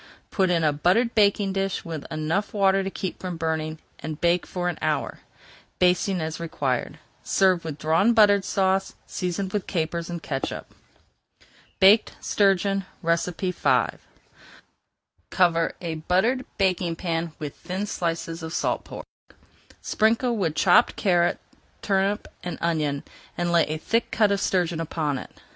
Put in a buttered baking pan with enough water to keep from burning, and bake for an hour, basting as required. Serve with Drawn Butter Sauce, seasoned with capers and catsup. BAKED STURGEON V Cover a buttered baking pan with thin slices of salt pork. Sprinkle with chopped carrot, turnip, and onion, and lay a thick cut of sturgeon upon it.